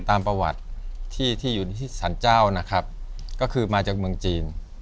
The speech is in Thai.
ตามประวัติที่ที่อยู่ที่สรรเจ้านะครับก็คือมาจากเมืองจีน